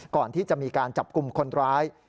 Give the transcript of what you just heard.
ก่อนที่จะมีการจับกลุ่มคนร้าย